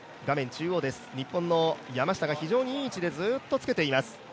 中央、日本の山下が非常にいい位置でつけています。